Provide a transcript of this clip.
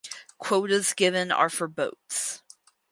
Quotas given are for boats.